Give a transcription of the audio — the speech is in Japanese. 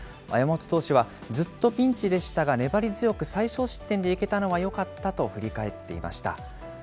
山本投手はずっとピンチでしたが、粘り強く最少失点でいけたのはよかったと振り返っていました。